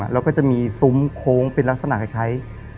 แล้วก็จะมีซุ้มโค้งเป็นลักษณะคล้าย